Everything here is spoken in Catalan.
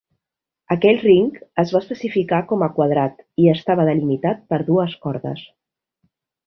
Aquell ring es va especificar com a quadrat i estava delimitat per dues cordes.